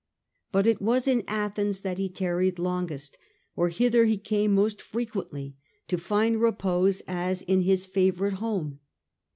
But it was in Athens that he tarried longest, or hither he came most frequently to find repose as in his favourite home.